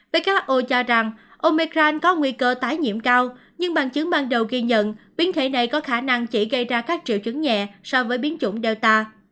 who cho rằng omegram có nguy cơ tái nhiễm cao nhưng bằng chứng ban đầu ghi nhận biến thể này có khả năng chỉ gây ra các triệu chứng nhẹ so với biến chủng delta